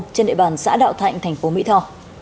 trên địa bàn xã đạo thạnh thành phố mỹ tho